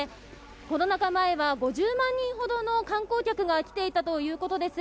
コロナ禍前は５０万人ほどの観光客が来ていたそうです。